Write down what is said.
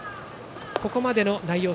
ここまでの内容